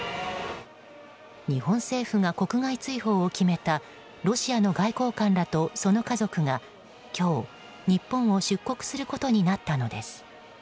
日本政府が国外追放を決めたロシアの外交官らとその家族が今日、日本を出国することになったのです。